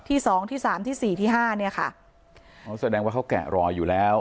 ที่สองที่สามที่สี่ที่ห้าเนี้ยค่ะอ๋อแสดงว่าเขาแกะรอยอยู่แล้ว